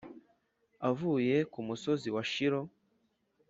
avuye kumusozi wa shilo